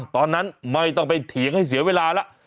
ตอนนั้นไม่ต้องไปเถียงให้เสียเวลาแล้ว